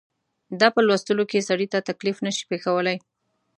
دا په لوستلو کې سړي ته تکلیف نه شي پېښولای.